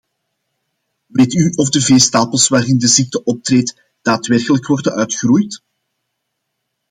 Weet u of veestapels waarin de ziekte optreedt, daadwerkelijk worden uitgeroeid?